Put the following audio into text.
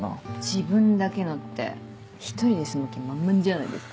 「自分だけの」って一人で住む気満々じゃないですか。